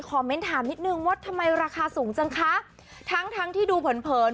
เมนต์ถามนิดนึงว่าทำไมราคาสูงจังคะทั้งทั้งที่ดูเผินเผิน